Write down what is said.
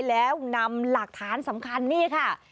แล้วนำหลักฐานสำคัญนี่ค่ะ